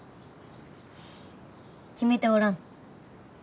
決めておらぬ。